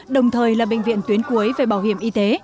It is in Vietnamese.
đồng thời là bệnh viện tuyến cuối về bảo hiểm y tế